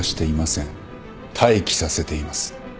待機させています。